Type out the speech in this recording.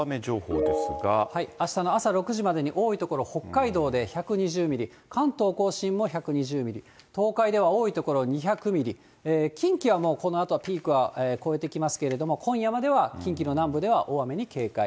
あしたの朝６時までに多い所、北海道で１２０ミリ、関東甲信も１２０ミリ、東海では多い所２００ミリ、近畿はもうこのあとはピークは越えてきますけれども、今夜までは近畿の南部では大雨に警戒。